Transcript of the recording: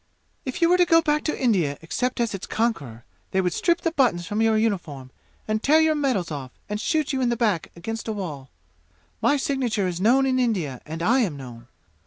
"If you were to go back to India except as its conqueror, they would strip the buttons from your uniform and tear your medals off and shoot you in the back against a wall! My signature is known in India and I am known.